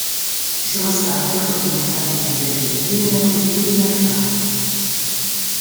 Ci sono stati alcuni importanti cambiamenti nelle politiche di mercato.